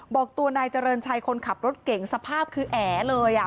บอกตัวนายเจริญชัยคนขับรถเก่งสภาพคือแอ๋เลยอ่ะ